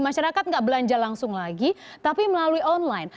masyarakat nggak belanja langsung lagi tapi melalui online